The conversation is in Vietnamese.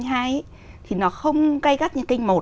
thì khi mình tham gia kênh hai thì nó không gây gắt như kênh một